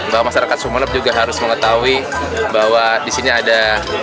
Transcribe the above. bahwa masyarakat sumeneb juga harus mengetahui bahwa disini ada